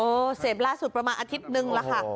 เสพล่าสุดประมาณอาทิตย์นึงแล้วค่ะ